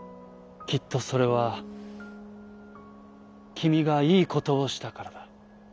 「きっとそれはきみがいいことをしたからだ」。